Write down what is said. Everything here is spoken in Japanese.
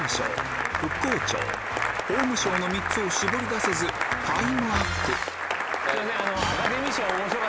３つを絞り出せずタイムアップ